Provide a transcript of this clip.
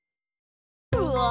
うわ！